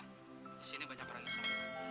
di sini banyak orang islam